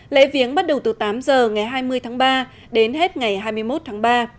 lễ viếng bắt đầu từ tám giờ ngày hai mươi tháng ba đến hết ngày hai mươi một tháng ba